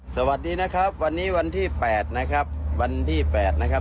สวัสดีนะครับวันนี้วันที่๘นะครับวันที่๘นะครับ